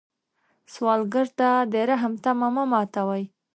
سوالګر ته د رحم تمه مه ماتوي